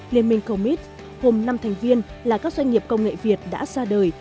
liên minh comet hôm năm thành viên là các doanh nghiệp công nghệ việt đã ra đời